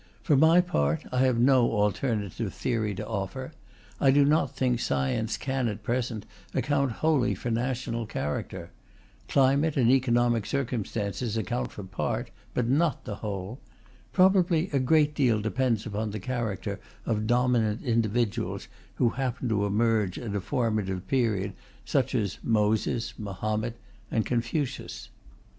For my part, I have no alternative theory to offer. I do not think science can, at present, account wholly for national character. Climate and economic circumstances account for part, but not the whole. Probably a great deal depends upon the character of dominant individuals who happen to emerge at a formative period, such as Moses, Mahomet, and Confucius.